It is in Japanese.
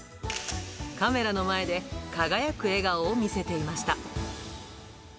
カメラの前で輝く笑顔を見せていました。